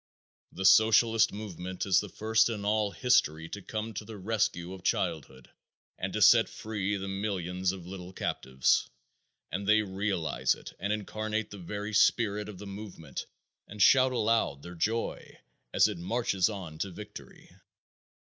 The Socialist movement is the first in all history to come to the rescue of childhood and to set free the millions of little captives. And they realize it and incarnate the very spirit of the movement and shout aloud their joy as it marches on to victory.